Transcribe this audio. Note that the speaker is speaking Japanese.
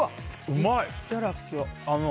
うまい！